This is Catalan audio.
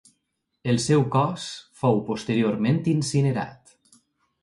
El seu cos fou posteriorment incinerat.